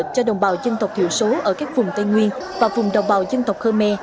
cho đồng bào dân tộc thiểu số ở các vùng tây nguyên và vùng đồng bào dân tộc khơ me